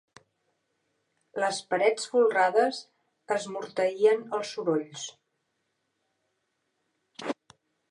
Les parets folrades esmorteïen els sorolls.